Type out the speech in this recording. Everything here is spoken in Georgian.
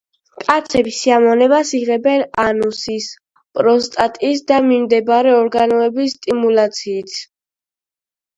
კაცები სიამოვნებას იღებენ ანუსის, პროსტატის და მიმდებარე ორგანოების სტიმულაციით.